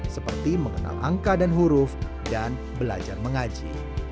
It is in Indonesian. seperti mengenal angka dan huruf dan belajar mengaji